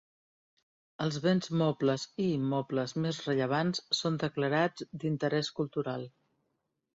Els béns mobles i immobles més rellevants són declarats d'interès cultural.